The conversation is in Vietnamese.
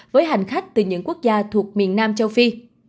với hành khách từ những quốc gia thuộc miền nam châu phi